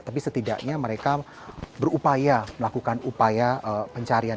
tapi setidaknya mereka berupaya melakukan upaya pencarian